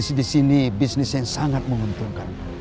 bisnis disini bisnis yang sangat menguntungkan